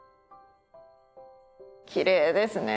きれいですね